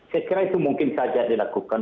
saya kira itu mungkin saja dilakukan